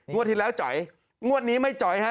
ที่แล้วจ๋อยงวดนี้ไม่จ๋อยฮะ